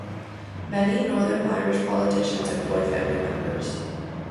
Many Northern Irish politicians employ family members.